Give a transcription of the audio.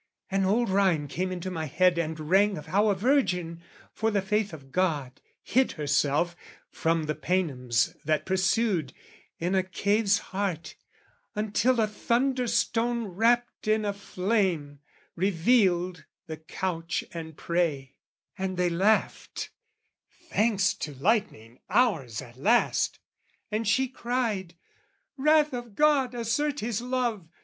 An old rhyme came into my head and rang Of how a virgin, for the faith of God, Hid herself, from the Paynims that pursued, In a cave's heart; until a thunderstone, Wrapped in a flame, revealed the couch and prey: And they laughed "Thanks to lightning, ours at last!" And she cried "Wrath of God, assert His love!